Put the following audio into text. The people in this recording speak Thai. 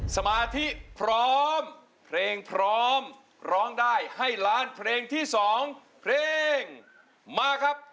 สมาธิพร้อมเพลงพร้อมร้องได้ให้ล้านเพลงที่๒เพลงมาครับ